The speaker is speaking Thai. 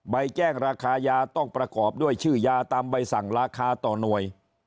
ใบแจ้งราคายาต้องประกอบด้วยชื่อยาตามใบสั่งราคาต่อหน่วย